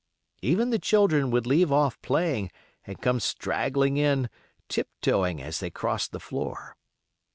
Even the children would leave off playing, and come straggling in, tiptoeing as they crossed the floor.